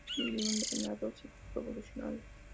Son bien drenados y poco evolucionados.